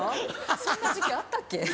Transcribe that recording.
・そんな時期あったっけ？